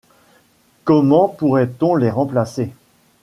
Comment pourrait-on les remplacer ?